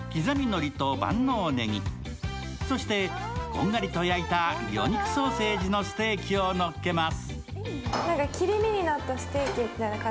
こんがりと焼いた魚肉ソーセージのステーキをのせます。